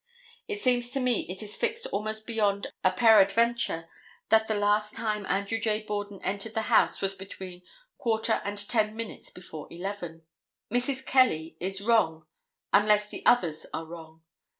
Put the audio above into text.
It seems to me it is fixed almost beyond a peradventure that the last time Andrew J. Borden entered the house was between quarter and ten minutes before 11. Mrs. Kelly is wrong unless the others are wrong.